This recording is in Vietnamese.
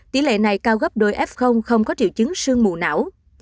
tỷ lệ này cao gấp đôi f không có triệu chứng sương mù não